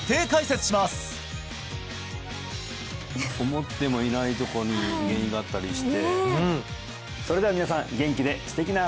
思ってもいないとこに原因があったりしてそれでは皆さん元気で素敵な毎日を！